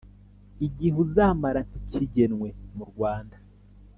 igihe uzamara ntikigenwe mu rwanda